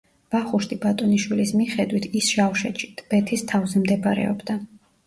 ვახუშტი ბატონიშვილის მიხედვით ის შავშეთში, ტბეთის თავზე მდებარეობდა.